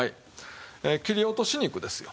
切り落とし肉ですよ。